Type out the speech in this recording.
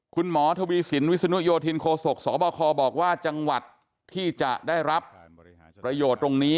คุณหมอทวีสินวิศนุโยธินโคศกสบคบอกว่าจังหวัดที่จะได้รับประโยชน์ตรงนี้